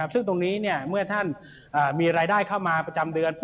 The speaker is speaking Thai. ซึ่งตรงนี้เมื่อท่านมีรายได้เข้ามาประจำเดือน